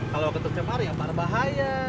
kalau ketusnya marah ya parah bahaya